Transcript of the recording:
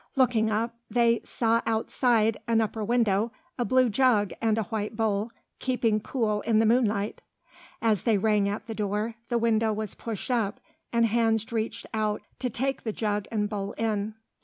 Looking up, they saw outside an upper window a blue jug and a white bowl, keeping cool in the moonlight. As they rang at the door, the window was pushed up, and hands reached out to take the jug and bowl in.